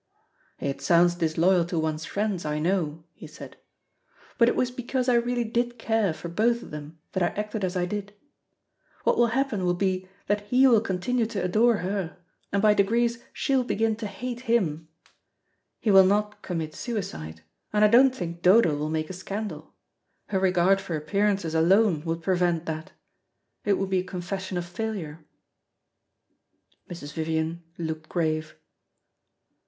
"It sounds disloyal to one's friends, I know," he said, "but it was because I really did care for both of them that I acted as I did. What will happen will be that he will continue to adore her, and by degrees she will begin to hate him. He will not commit suicide, and I don't think Dodo will make a scandal. Her regard for appearances alone would prevent that. It would be a confession of failure." Mrs. Vivian looked grave.